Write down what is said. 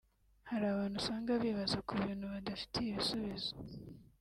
Hari abantu usanga bibaza ku bintu badafitiye ibisubizo